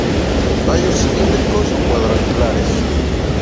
Tallo cilíndricos o cuadrangulares.